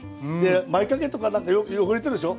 前掛けとかなんか汚れてるでしょ。